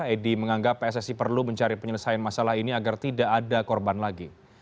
edi menganggap pssi perlu mencari penyelesaian masalah ini agar tidak ada korban lagi